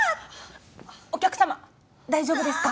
お客様大丈夫ですか？